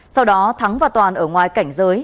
sau đó thắng và toàn ở ngoài cảnh giới